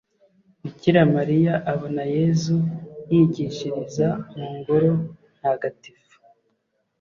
bikira mariya abona yezu yigishiriza mu ngoro ntagatifu.